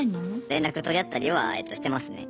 連絡取り合ったりはしてますね。